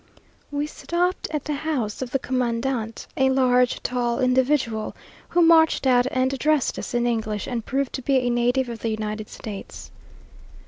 We stopped at the house of the commandant, a large, tall individual, who marched out and addressed us in English, and proved to be a native of the United States.